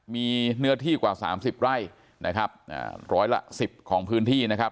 มีเนื้อที่กว่า๓๐ไร่นะครับร้อยละสิบของพื้นที่นะครับ